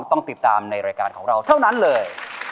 ต้องติดตามในรายการของเราเท่านั้นเลย